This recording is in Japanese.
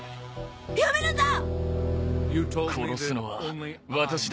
やめるんだ！